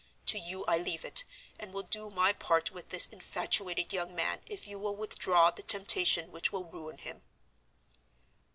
To you I leave it, and will do my part with this infatuated young man if you will withdraw the temptation which will ruin him."